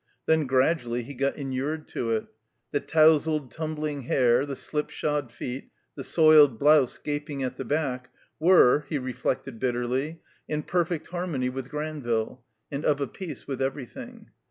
Then gradually he got inured to it. The tousled, tiunbling hair, the slipshod feet, the soiled blouse gaping at the back, were, he reflected bitterly, in perfect harmony with Granville, and of a piece with everjrthing.